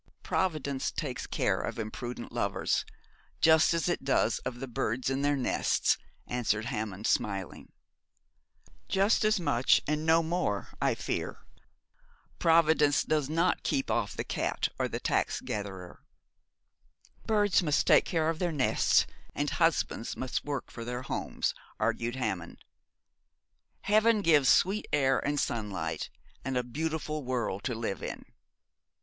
'Providence takes care of imprudent lovers, just as it does of the birds in their nests,' answered Hammond, smiling. 'Just as much and no more, I fear. Providence does not keep off the cat or the tax gatherer.' 'Birds must take care of their nests, and husbands must work for their homes,' argued Hammond. 'Heaven gives sweet air and sunlight, and a beautiful world to live in.'